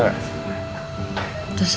ini aku baca